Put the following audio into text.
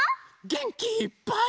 げんきいっぱい。